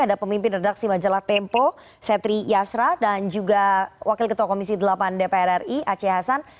ada pemimpin redaksi majalah tempo setri yasra dan juga wakil ketua komisi delapan dpr ri aceh hasan